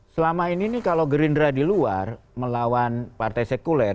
selama ini nih kalau gerindra di luar melawan partai sekuler